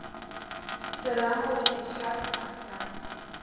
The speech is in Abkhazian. Сара амалагьы исҳәарц сҭахӡам.